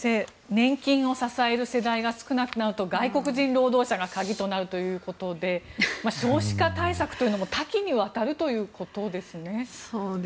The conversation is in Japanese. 年金を支える世代が少なくなると外国人労働者が鍵になるということで少子化対策というのも多岐にわたるということですね。